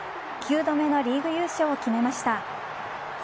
９度目のリーグ優勝を決めました。